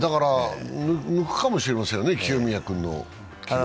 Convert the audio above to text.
抜くかもしれませんよね、清宮君の記録をね。